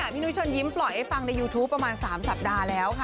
นุ้ยเชิญยิ้มปล่อยให้ฟังในยูทูปประมาณ๓สัปดาห์แล้วค่ะ